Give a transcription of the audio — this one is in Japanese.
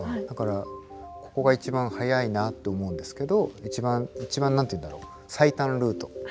だからここが一番早いなと思うんですけど一番何て言うんだろう最短ルート。